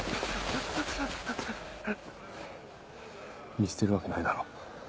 見捨てるわけないだろ。